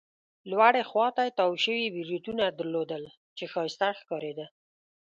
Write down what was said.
لوړې خوا ته تاو شوي بریتونه يې درلودل، چې ښایسته ښکارېده.